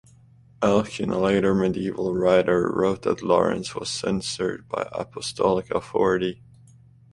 Alcuin, a later medieval writer, wrote that Laurence was "censured by apostolic authority".